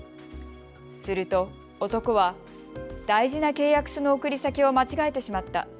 すると男は大事な契約書の送り先を間違えてしまった。